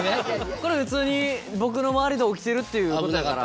これ普通に僕の周りで起きてるっていうことやから。